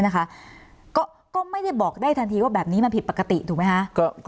ก็ไม่ได้บอกได้ทันทีว่าแบบนี้มันผิดปกติถูกไหมคะ